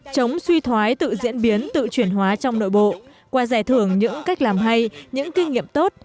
chống suy thoái tự diễn biến tự chuyển hóa trong nội bộ qua giải thưởng những cách làm hay những kinh nghiệm tốt